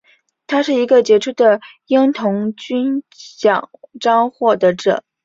他是一个杰出的鹰童军奖章获得者。